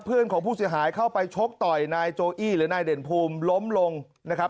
เพื่อนของผู้เสียหายเข้าไปชกต่อยนายโจอี้หรือนายเด่นภูมิล้มลงนะครับ